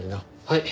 はい。